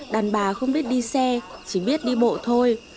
đàn bà không biết đi xe chỉ biết đi bộ thôi